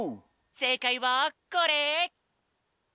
せいかいはこれ！